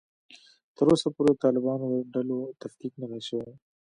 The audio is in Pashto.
تر اوسه پورې د طالبانو د ډلو تفکیک نه دی شوی